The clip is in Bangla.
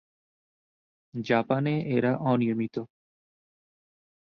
জাপানে এরা অনিয়মিত।